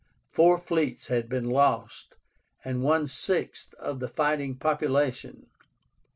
Four fleets had been lost, and one sixth of the fighting population.